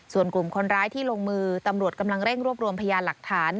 ส่วนกลุ่มคนร้ายที่ลงมือตำรวจกำลังเร่งรวบรวมพยานหลักฐาน